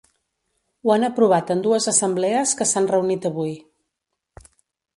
Ho han aprovat en dues assemblees que s’han reunit avui.